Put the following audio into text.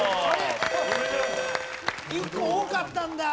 １個多かったんだ！